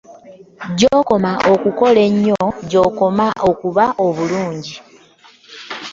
Gyokoma okukola ennyo gy'okoma n'okuba obulungi.